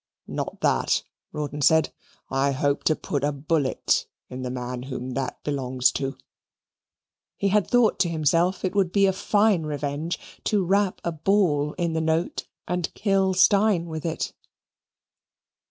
"Not that," Rawdon said. "I hope to put a bullet into the man whom that belongs to." He had thought to himself, it would be a fine revenge to wrap a ball in the note and kill Steyne with it.